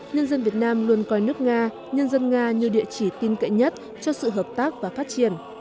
nhân dân việt nam luôn coi nước nga nhân dân nga như địa chỉ tin cậy nhất cho sự hợp tác và phát triển